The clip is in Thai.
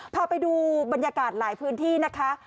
พาไปดูบรรยากาศหลายพื้นที่นะคะ